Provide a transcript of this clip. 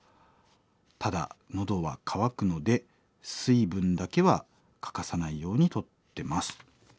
ただ喉は渇くので水分だけは欠かさないようにとってます」というメッセージ。